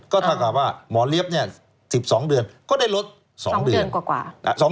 ก็เท่ากับว่าหมอเลี้ยบ๑๒เดือนก็ได้ลด๒เดือนกว่า